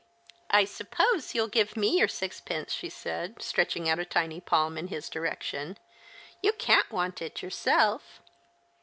"I suppose you'll give me your sixpence," she said, stretching out a tiny palm in his direction ;" you can't want it yourself."